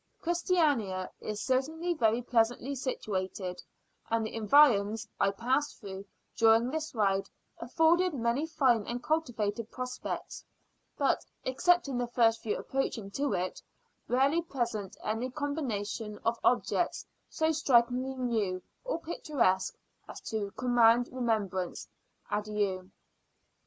Christiania is certainly very pleasantly situated, and the environs I passed through, during this ride, afforded many fine and cultivated prospects; but, excepting the first view approaching to it, rarely present any combination of objects so strikingly new, or picturesque, as to command remembrance. Adieu!